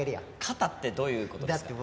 肩ってどういう事ですか？